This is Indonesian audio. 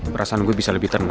perasaan gue bisa lebih tenang